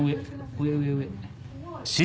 上上上。